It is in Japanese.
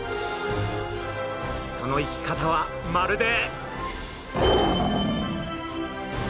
その生き方はまるで。